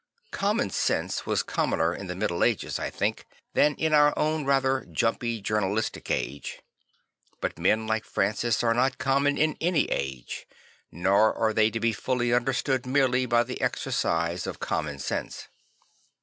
Common sense was commoner in the Middle Ages, I think, than in our own rather jumpy journalistic age; but men like Francis are not common in any age, nor are they to be fully understood merely by the exercise of common sense.